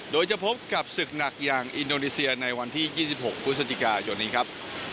โดยจะพบกับศึกหนักอย่างอินโดนีเซียในวันที่๒๖พฤศจิกายนนี้ครับ